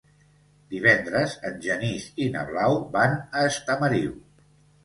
Divendres en Genís i na Blau van a Estamariu.